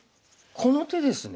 この手ですね。